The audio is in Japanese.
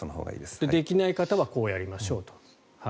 できない方はこうやりましょうと。